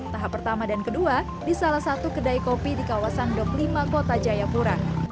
tahap pertama dan kedua di salah satu kedai kopi di kawasan dok lima kota jayapura